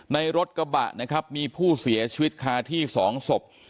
รถกระบะนะครับมีผู้เสียชีวิตคาที่๒ศพ